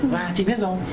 và chị biết rồi